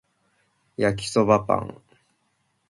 焼きそばパン